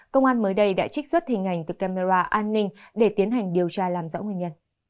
công an mới đây đã trích xuất hình ảnh từ camera an ninh để tiến hành điều tra làm rõ nguyên nhân